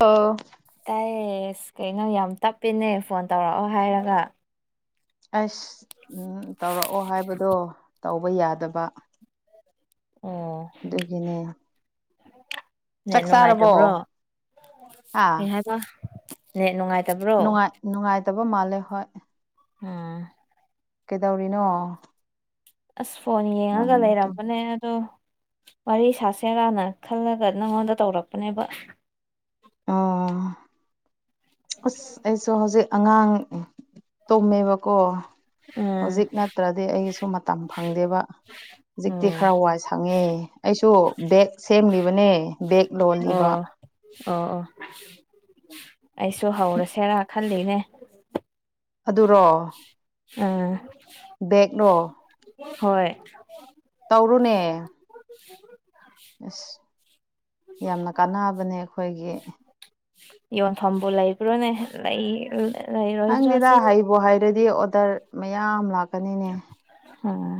ꯑꯣ ꯇꯥꯏꯌꯦ ꯁꯀꯩꯅꯣ ꯌꯥꯝ ꯇꯞꯄꯅꯦ ꯐꯣꯟ ꯇꯧꯔꯛꯑꯣ ꯍꯥꯏꯔꯒ ꯑꯁ ꯇꯧꯔꯛꯑꯣ ꯍꯥꯏꯕꯗꯣ ꯇꯧꯕ ꯌꯥꯗꯕ ꯑꯣ ꯑꯗꯨꯒꯤꯅꯦ ꯅ ꯆꯥꯛ ꯅꯨꯡꯉꯥꯏꯇꯕ꯭ꯔꯣ ꯆꯥꯔꯕꯣ ꯀꯩ ꯍꯥ ꯍꯥꯏꯕ ꯅꯦ ꯅꯨꯡꯉꯥꯏꯇꯕ꯭ꯔꯣ ꯅꯨꯡꯉꯥꯏ ꯅꯨꯡꯉꯥꯏꯇꯕ ꯃꯥꯜꯂꯦ ꯍꯣꯏ ꯑꯝ ꯀꯩꯗꯧꯔꯤꯅꯣ ꯑꯁ ꯐꯣꯟ ꯌꯦꯡꯉꯒ ꯋꯥꯟ ꯇꯨ ꯂꯩꯔꯝꯕꯅꯦ ꯑꯗꯣ ꯋꯥꯔꯤ ꯁꯥꯁꯦꯔꯥꯅ ꯈꯜꯂꯒ ꯅꯪꯉꯣꯟꯗ ꯇꯧꯔꯛꯄꯅꯦꯕ ꯑ ꯑꯁ ꯑꯩꯁꯨ ꯍꯧꯖꯤꯛ ꯑꯉꯥꯡ ꯇꯨꯝꯃꯦꯕꯀꯣ ꯎꯝ ꯍꯧꯖꯤꯛ ꯅꯠꯇ꯭ꯔꯗꯤ ꯑꯩꯁꯨ ꯃꯇꯝ ꯐꯪꯗꯦꯕ ꯍꯧꯖꯤꯛꯇꯤ ꯎꯝ ꯈꯔ ꯋꯥꯏ ꯁꯪ ꯈꯪꯉꯦ ꯑꯩꯁꯨ ꯕꯦꯛ ꯁꯦꯝꯂꯤꯕꯅꯦ ꯕꯦꯛ ꯑꯣ ꯂꯣꯜꯂꯤꯕ ꯑꯣ ꯑꯣ ꯑꯩꯁꯨ ꯍꯧꯔꯁꯦꯔꯥ ꯈꯟ ꯊꯂꯅꯦ ꯑꯗꯨꯔꯣ ꯎꯝ ꯕꯦꯡꯂꯣ ꯍꯣꯏ ꯇꯧꯔꯨꯅꯦ [unintelligible] ꯑꯁ ꯌꯥꯝꯅ ꯀꯥꯟꯅꯕꯅꯦ ꯑꯩꯈꯣꯏꯒꯤ ꯌꯣꯟꯐꯝꯕꯨ ꯂꯩꯕ꯭ꯔꯣꯅꯦ ꯂꯩ ꯂꯩꯔꯣꯏꯗ꯭ꯔꯥ ꯅꯪꯗꯦꯗ ꯁꯤ ꯍꯩꯕꯣ ꯍꯥꯏꯔꯗꯤ ꯑꯣꯗꯔ ꯃꯌꯥꯝ ꯂꯥꯛꯀꯅꯤꯅꯦ ꯑꯣꯝ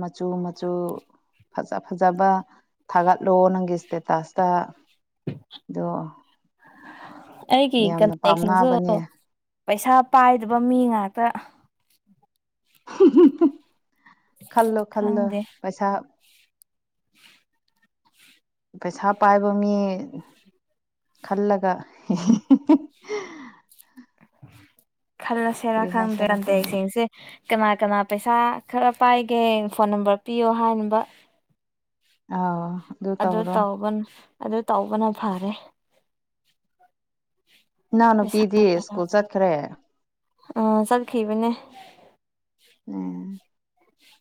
ꯃꯆꯨ ꯃꯆꯨ ꯐꯖ ꯐꯖꯕ ꯊꯥꯒꯠꯂꯣ ꯅꯪꯒꯤ ꯏꯁꯇꯦꯇꯁꯇ ꯣ ꯑꯩꯒꯤ ꯀꯟꯇꯦꯛꯁꯤꯡꯁꯨ ꯄꯥꯝꯅꯕꯅꯦ ꯄꯩꯁꯥ ꯄꯥꯏꯗꯕ ꯃꯤ ꯉꯥꯛꯇ ꯈꯜꯂꯣ ꯈꯜꯂꯨ ꯈꯪꯗꯦ ꯄꯩꯁꯥ ꯄꯩꯁꯥ ꯄꯥꯏꯕ ꯃꯤ ꯈꯜꯂꯒ ꯈꯜꯂꯁꯦꯔꯥ ꯀꯔꯤ ꯍꯥꯏꯁꯤꯔ ꯈꯪꯗꯔꯗ ꯈꯪꯗꯦꯗ ꯏꯁꯤꯡꯁꯦ ꯀꯃ ꯀꯅꯥ ꯄꯩꯁꯥ ꯈꯔ ꯄꯥꯏꯒꯦ ꯐꯣꯟ ꯅꯝꯕꯔ ꯄꯤꯌꯣ ꯍꯥꯏꯅꯕ ꯑ ꯑꯗꯨ ꯇ ꯑꯗꯨ ꯇꯧꯕꯅ ꯐꯔꯦ ꯏꯅꯥꯎ ꯄꯩꯁꯥ ꯅꯨꯄꯤꯗꯤ ꯁ꯭ꯀꯨꯜ ꯆꯠꯈ꯭ꯔꯦ ꯑ ꯆꯠꯈꯤꯕꯅꯦ ꯎꯝ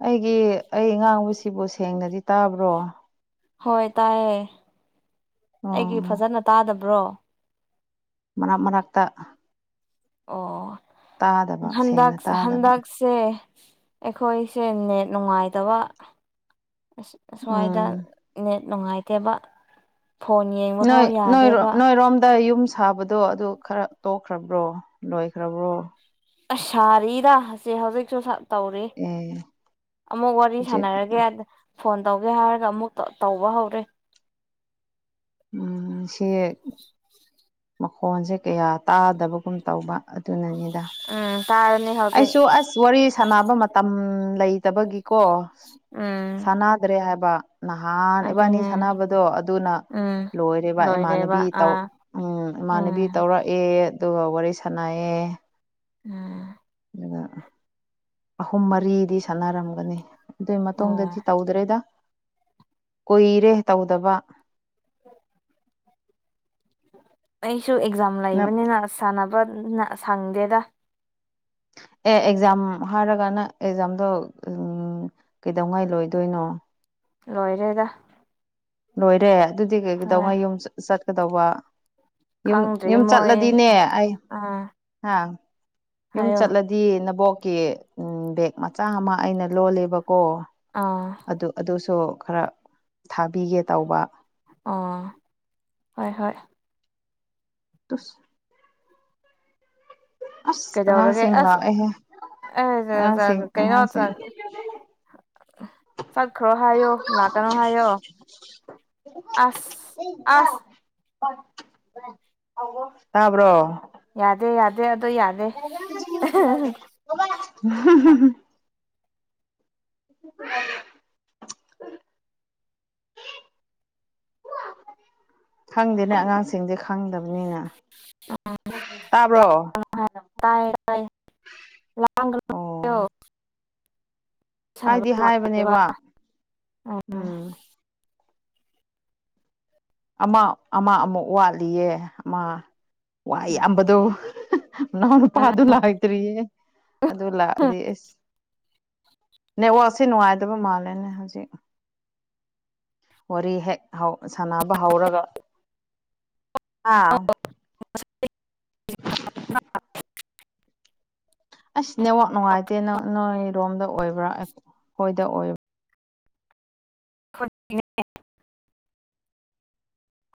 ꯑꯩꯒꯤ ꯑꯩ ꯉꯥꯡꯕꯁꯤꯕꯨ ꯁꯦꯡꯅꯗꯤ ꯇꯥꯕ꯭ꯔꯣ ꯍꯣꯏ ꯇꯥꯏꯌꯦ ꯎꯝ ꯑꯩꯒꯤ ꯐꯖꯅ ꯇꯥꯗꯕ꯭ꯔꯣ ꯃꯅꯥꯛ ꯃꯅꯥꯛꯇ ꯑꯣ ꯇꯥꯗꯕ ꯍꯟꯗꯛ ꯁꯦꯡꯅ ꯇꯥꯗꯕ ꯍꯟꯗꯛ ꯁꯦ ꯑꯩꯈꯣꯏꯁꯦ ꯅꯦꯠ ꯅꯨꯡꯉꯥꯏꯇꯕ ꯑ ꯑꯁ꯭ꯋꯥꯏꯗ ꯎꯝ ꯅꯦꯠ ꯅꯨꯡꯉꯥꯏꯇꯦꯕ ꯐꯣꯟ ꯌꯦꯡ ꯅꯣꯏ ꯅꯣꯏ ꯅꯣꯏ ꯔꯣꯝꯗꯥ ꯌꯨꯝ ꯊꯥꯕꯗꯣ ꯑꯗꯨ ꯈꯔ ꯇꯣꯛꯈ꯭ꯔꯕ꯭ꯔꯣ ꯂꯣꯏꯈ꯭ꯔꯕ꯭ꯔꯣ ꯑꯁꯥꯔꯤꯗꯁꯦ ꯍꯧꯖꯤꯛꯁꯨ ꯇꯧꯔꯤ ꯑꯦ ꯑꯃꯨꯛ ꯋꯥꯔꯤ ꯍꯧꯖꯤꯛ ꯁꯥꯟꯅꯔꯒꯦꯗ ꯐꯣꯟ ꯇꯧꯒꯦ ꯍꯥꯏꯔꯒ ꯑꯃꯨꯛ ꯇꯧꯕ ꯍꯧꯔꯦ ꯎ ꯁꯤ ꯃꯈꯣꯟꯁꯦ ꯀꯌꯥ ꯇꯥꯗꯕꯒꯨꯝ ꯇꯧꯕ ꯑꯗꯨꯅꯅꯤꯗ ꯎꯝ ꯇꯥꯔꯅꯤ ꯍ ꯑꯩꯁꯨ ꯑꯁ ꯋꯥꯔꯤ ꯁꯥꯟꯅꯕ ꯃꯇꯝ ꯂꯩꯇꯕꯒꯤꯀꯣ ꯎꯝ ꯁꯥꯟꯅꯗ꯭ꯔꯦ ꯍꯥꯏꯕ ꯅꯍꯥꯟ ꯏꯕꯥꯅꯤ ꯑꯗꯨꯅꯦ ꯁꯥꯟꯅꯕꯗꯣ ꯑꯗꯨꯅ ꯎꯝ ꯂꯣꯏꯔꯦꯔꯤꯕ ꯂꯣꯏꯔꯦꯕ ꯏꯃꯥꯟꯅꯕꯤ ꯇꯧ ꯑꯥ ꯎꯝ ꯏꯃꯥꯟꯅꯕꯤ ꯎꯝ ꯇꯧꯔꯛ ꯑꯦ ꯑꯗꯨꯒ ꯋꯥꯔꯤ ꯁꯥꯟꯅꯩꯌꯦ ꯎꯝ ꯑꯗꯨꯒ ꯑꯍꯨꯝ ꯃꯔꯤ ꯗꯤ ꯁꯥꯟꯅꯔꯝꯒꯅꯤ ꯑꯗꯨꯒꯤ ꯎꯝ ꯃꯇꯨꯡꯗꯗꯤ ꯇꯧꯗ꯭ꯔꯦꯗ ꯀꯨꯏꯔꯦ ꯇꯧꯗꯕ [unintelligible] ꯑꯩꯁꯨ ꯑꯦꯛꯖꯥꯝ ꯅꯪ ꯂꯩꯕꯅꯤꯅ ꯁꯥꯟꯅꯕꯅ ꯁꯪꯗꯦꯗ ꯑꯦ ꯑꯦꯛꯖꯥꯝ ꯍꯥꯏꯔꯒꯅ ꯑꯦꯛꯖꯥꯝꯗꯣ ꯎ ꯀꯩꯗꯧꯉꯥꯏ ꯂꯣꯏꯗꯣꯏꯅꯣ ꯂꯣꯏꯔꯦꯗ ꯂꯣꯏꯔꯦ ꯑꯗꯨꯗꯤ ꯀꯩ ꯍꯣꯏ ꯀꯩꯗꯧꯉ ꯌꯨꯝ ꯆꯠꯀꯗꯧꯕ ꯌꯨꯝ ꯈꯪꯗ꯭ꯔꯤ ꯌꯨꯝ ꯃꯣꯏ ꯆꯠꯂꯗꯤꯅꯦ ꯑꯩ ꯑꯥ ꯑꯪ ꯌꯨꯝ ꯍꯥꯏꯌꯣ ꯆꯠꯂꯗꯤ ꯅꯕꯣꯛꯀꯤ ꯎ ꯕꯦꯛ ꯃꯆꯥ ꯑꯃ ꯑꯩꯅ ꯂꯣꯜꯂꯦꯕꯀꯣ ꯑꯥ ꯑꯗꯨ ꯑꯗꯨꯁꯨ ꯈꯔ ꯊꯥꯕꯤꯒꯦ ꯇꯧꯕ ꯑꯣ ꯍꯣꯏ ꯍꯣꯏ ꯇꯨꯁ ꯑꯁ ꯀꯩꯗꯧꯔꯒꯦ ꯑꯉꯥꯡꯁꯤꯡ ꯂꯥꯛꯑꯦꯍꯦ ꯑꯉꯥꯡꯁꯤꯡ ꯑꯁ [unintelligible] ꯀꯩꯅꯣ ꯑꯉꯥꯡꯁꯤꯡ ꯆꯠꯈ꯭ꯔꯣ ꯍꯥꯏꯌꯣ ꯂꯥꯛꯀꯅꯣ ꯍꯥꯏꯌꯣ ꯑꯁ ꯑꯁ ꯇꯥꯕ꯭ꯔꯣ ꯌꯥꯗꯦ ꯌꯥꯗꯦ ꯑꯗꯣ ꯌꯥꯗꯦ [unintelligible] [unintelligible] ꯈꯪꯗꯦꯅꯦ ꯑꯉꯥꯡꯁꯤꯡꯗꯤ ꯈꯪꯗꯕꯅꯤꯅ ꯇꯥꯕ꯭ꯔꯣ ꯀꯥꯏ ꯇꯥꯏ ꯇꯥꯢꯌꯦ ꯂꯥꯡ ꯑꯣ ꯁꯥꯟꯅꯕ ꯍꯥꯏꯗꯤ ꯅꯨꯡꯉꯥꯏꯇꯦꯕ ꯍꯥꯏꯕꯅꯦꯕ ꯎꯝ ꯑꯃ ꯑꯃ ꯑꯃꯨꯛ ꯋꯥꯠꯂꯤꯌꯦ ꯑꯃ ꯋꯥꯏ ꯑꯌꯥꯝꯕꯗꯣ ꯅꯥꯎꯅꯨꯄꯥꯗꯨ ꯂꯥꯛꯇ꯭ꯔꯤꯌꯦ ꯑꯗꯨ ꯂꯥꯛꯑꯗꯤ ꯑꯁ ꯅꯦꯠꯋꯥꯛꯁꯦ ꯅꯨꯡꯉꯥꯏꯗꯕ ꯃꯥꯜꯂꯦꯅꯦ ꯍꯧꯖꯤꯛ ꯋꯥꯔꯤ ꯍꯦꯛ ꯍꯧ ꯁꯥꯟꯅꯕ ꯍꯧꯔꯒ ꯑꯥ [unintelligible] ꯑꯁ ꯅꯦꯋꯥꯛ ꯅꯨꯡꯉꯥꯏꯇꯦ ꯅꯪ ꯅꯣꯏꯔꯣꯝꯗ ꯑꯣꯏꯕ꯭ꯔꯥ ꯑꯩꯈꯣꯏꯗ ꯑꯣꯏꯕ [unintelligible]